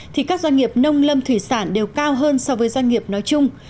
thì các doanh nghiệp nông lâm thủy sản đều cao hơn so với doanh nghiệp nói chung